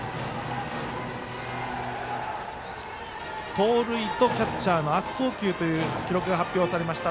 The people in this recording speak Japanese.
盗塁とキャッチャーの悪送球という記録が発表されました。